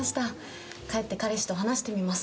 帰って彼氏と話してみます。